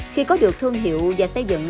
khi có được thương hiệu và xây dựng